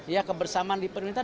ya kebersamaan diperintah